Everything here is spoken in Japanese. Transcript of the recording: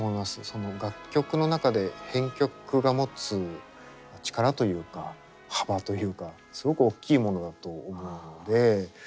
その楽曲の中で編曲が持つ力というか幅というかすごくおっきいものだと思うので。